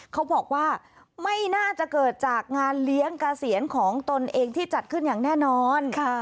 เขาบอกว่าไม่น่าจะเกิดจากงานเลี้ยงเกษียณของตนเองที่จัดขึ้นอย่างแน่นอน